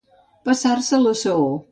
Passar-se la saó.